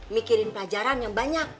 mikirin pelajaran yang banyak